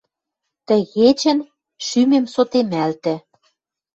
Тӹ кечӹн шӱмем сотемӓлтӹ